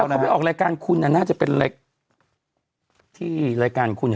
นะครับแล้วเขาไปออกรายการคุณน่ะน่าจะเป็นอะไรที่รายการคุณเนี่ย